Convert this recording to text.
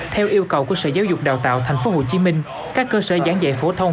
theo yêu cầu của sở giáo dục đào tạo tp hcm các cơ sở giảng dạy phổ thông